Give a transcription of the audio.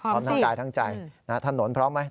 พร้อมทั้งกายทั้งใจถนนพร้อมไหม